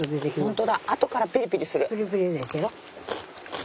ホントだあとからピリピリする。